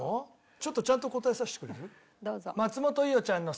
ちょっとちゃんと答えさせてくれる？